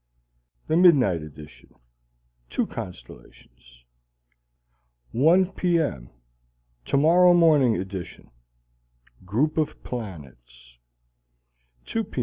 Midnight Edition Two constellations 1 P. M. Tomorrow Morning Edition Group of planets 2 P.